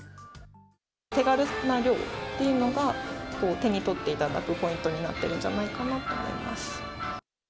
手軽な量っていうのが、手に取っていただくポイントになってるんじゃないかなと思います。